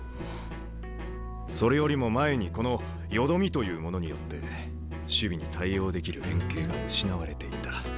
それよりも前にこのよどみというものによって守備に対応できる連係が失われていた。